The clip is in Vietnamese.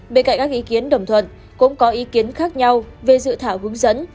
bên cạnh các ý kiến đồng thuận cũng có ý kiến khác nhau về dự thảo hướng dẫn